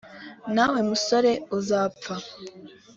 nawe musore uzapfa